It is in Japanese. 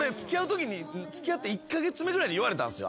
俺付き合って１カ月目ぐらいで言われたんすよ。